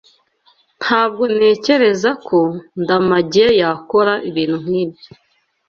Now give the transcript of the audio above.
Ntabwo ntekereza ko Ndamage yakora ikintu nkicyo.